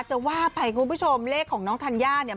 จะว่าไปคุณผู้ชมเลขของน้องธัญญาเนี่ย